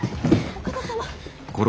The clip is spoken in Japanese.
お方様。